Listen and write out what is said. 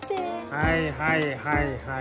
はいはいはいはい。